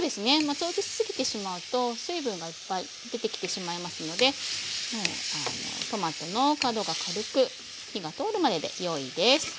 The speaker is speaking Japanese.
通しすぎてしまうと水分がいっぱい出てきてしまいますのでトマトの角が軽く火が通るまででよいです。